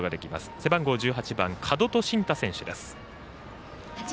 背番号１８番角戸信太選手です。